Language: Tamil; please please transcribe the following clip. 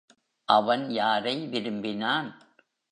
அவன் யாரை விரும்பினான்?